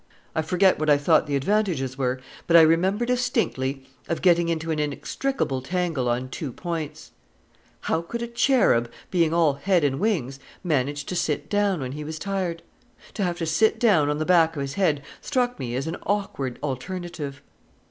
I forget what I thought the advantages were, but I remember distinctly of getting into an inextricable tangle on two points: How could a cherub, being all head and wings, manage to sit down when he was tired? To have to sit down on the back of his head struck me as an awkward alternative.